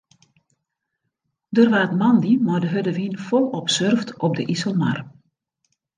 Der waard moandei mei de hurde wyn folop surft op de Iselmar.